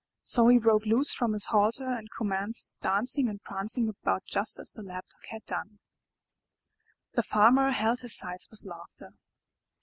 So he broke loose from his halter and commenced dancing and prancing about just as the Lap dog had done. The Farmer held his sides with laughter.